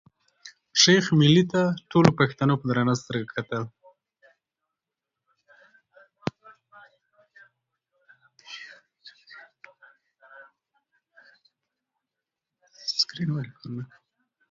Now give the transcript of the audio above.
شېخ ملي ته ټولو پښتنو په درنه سترګه کتل.